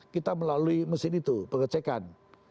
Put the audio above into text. kita melalui mesin itu pengecekan